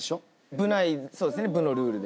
部内そうですね部のルールで。